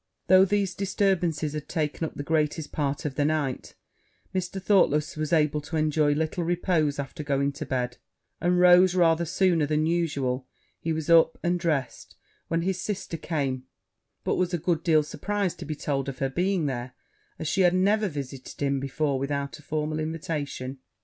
Though these disturbances had taken up the greatest part of the night, Mr. Thoughtless was able to enjoy little repose after going to bed; and rose rather sooner than usual he was up and dressed when his sister came; but was a good deal surprized to be told of her being there, as she had never visited him before without a formal invitation.